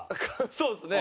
そうですね。